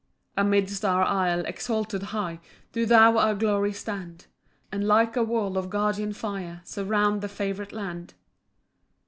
2 [Amidst our isle, exalted high, Do thou our glory stand, And like a wall of guardian fire Surround the favourite land.